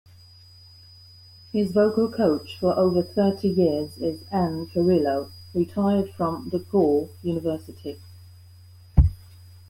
His vocal coach for over thirty years is Anne Perillo, retired from DePaul University.